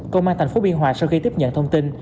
công an thành phố biên hòa sau khi tiếp nhận thông tin